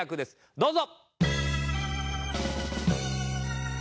どうぞ！